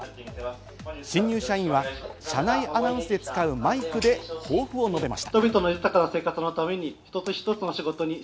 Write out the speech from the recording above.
新入社員は車内アナウンスで使うマイクで抱負を述べました。